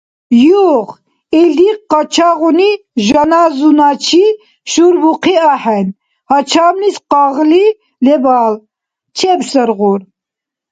Юх, илди къачагъуни жаназуначи шурбухъи ахӀен, гьачамлис къагъли лебал. Чебсаргъур…